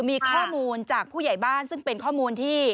มีข้อมูลจากผู้ใหญ่บ้านซึ่งเป็นข้อมูลที่